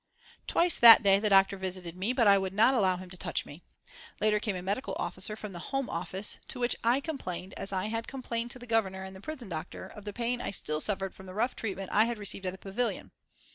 Twice that day the doctor visited me, but I would not allow him to touch me. Later came a medical officer from the Home Office, to which I had complained, as I had complained to the Governor and the prison doctor, of the pain I still suffered from the rough treatment I had received at the Pavillion.